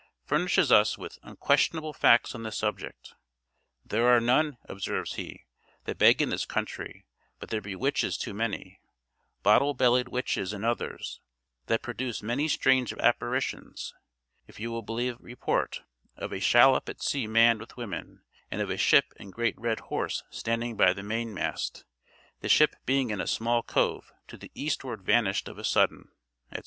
furnishes us with unquestionable facts on this subject. "There are none," observes he, "that beg in this country, but there be witches too many bottle bellied witches and others, that produce many strange apparitions, if you will believe report, of a shallop at sea manned with women and of a ship and great red horse standing by the mainmast; the ship being in a small cove to the eastward vanished of a sudden," etc.